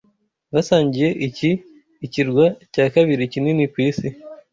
basangiye iki ikirwa cya kabiri kinini ku isi